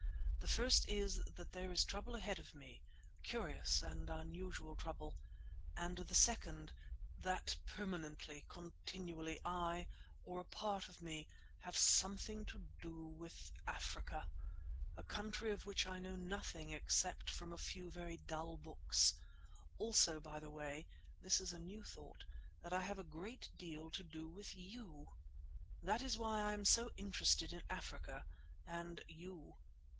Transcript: The first is that there is trouble ahead of me, curious and unusual trouble; and the second, that permanently, continually, I, or a part of me, have something to do with Africa, a country of which I know nothing except from a few very dull books. Also, by the way—this is a new thought—that I have a great deal to do with you. That is why I am so interested in Africa and you.